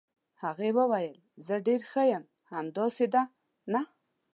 هغې وویل: زه ډېره ښه یم، همداسې ده، نه؟